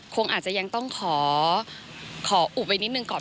คงอาจจะยังต้องขออุบไว้นิดนึงก่อน